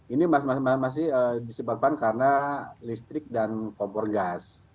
ini masih disebabkan karena listrik dan kompor gas